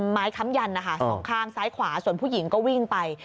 ค้ำยันนะคะสองข้างซ้ายขวาส่วนผู้หญิงก็วิ่งไป